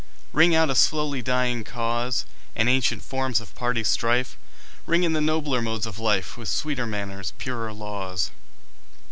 Ring out a slowly dying cause, And ancient forms of party strife; Ring in the nobler modes of life, With sweeter manners, purer laws.